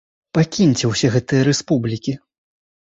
Пакіньце ўсе гэтыя рэспублікі!